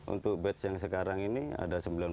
untuk batch yang sekarang ini ada